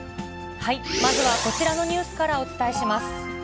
まずはこちらのニュースからお伝えします。